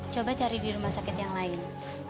coba cari di rumah sakit yang lain